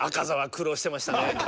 猗窩座は苦労してましたね。